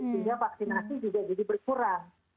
sehingga vaksinasi juga jadi berkurang